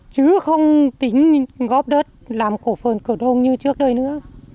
chứ không tính góp đất làm cổ phần cổ đông như trước đây nữa